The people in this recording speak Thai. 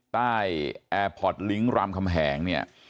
แอร์พอร์ตลิงก์รามคำแหงเนี่ย